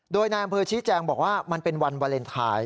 โดยนายอำเภอชี้แจงบอกว่ามันเป็นวันวาเลนไทย